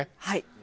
はい。